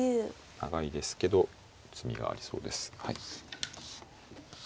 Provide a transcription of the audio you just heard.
長いですけど詰みがありそうです。